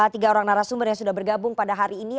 tiga orang narasumber yang sudah bergabung pada hari ini